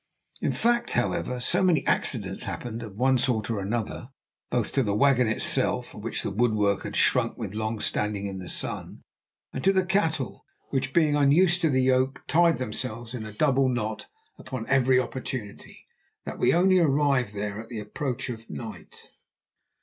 In fact, however, so many accidents happened of one sort or another, both to the wagon itself, of which the woodwork had shrunk with long standing in the sun, and to the cattle, which, being unused to the yoke, tied themselves in a double knot upon every opportunity, that we only arrived there at the approach of night.